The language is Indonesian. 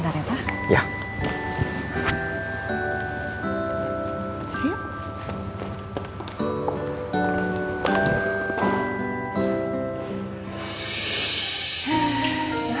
terima kasih ya pak